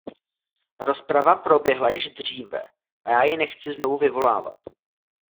Rozprava proběhla již dříve a já ji nechci znovu vyvolávat.